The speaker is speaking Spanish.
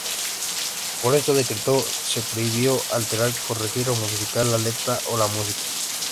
Por ese decreto se prohibió alterar, corregir o modificar la letra o la música.